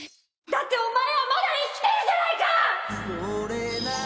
だってお前はまだ生きてるじゃないか！